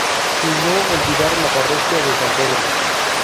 Y no olvidar la parroquia de San Pedro.